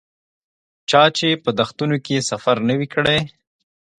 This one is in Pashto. چا چې په دښتونو کې سفر نه وي کړی.